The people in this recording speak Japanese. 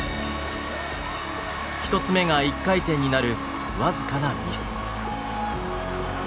１つ目が１回転になる僅かなミス。